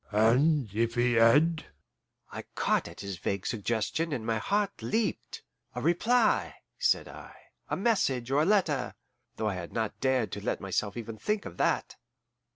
"And if he had ?" I caught at his vague suggestion, and my heart leaped. "A reply," said I, "a message or a letter," though I had not dared to let myself even think of that.